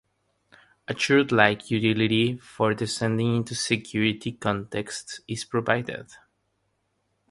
A chroot-like utility for descending into security contexts is provided.